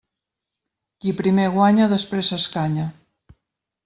Qui primer guanya després s'escanya.